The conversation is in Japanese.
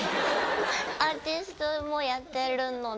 アーティストもやってるので。